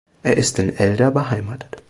Er ist in Elda beheimatet.